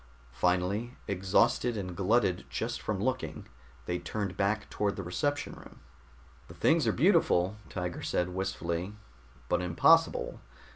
Finally, exhausted and glutted just from looking, they turned back toward the reception room. "The things are beautiful," Tiger said wistfully, "but impossible.